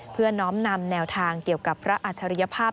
น้อมนำแนวทางเกี่ยวกับพระอัจฉริยภาพ